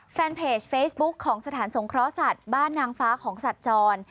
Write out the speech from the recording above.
แฟนเพจเฟซบุ๊คของสถานสงเคราะห์สัตว์บ้านนางฟ้าของสัตว์จร